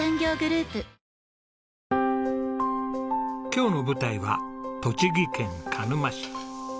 今日の舞台は栃木県鹿沼市。